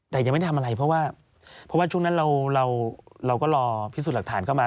แต่ยังไม่ได้ทำอะไรเพราะว่า